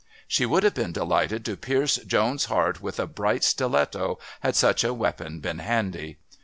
She would have been delighted to pierce Joan's heart with a bright stiletto, had such a weapon been handy.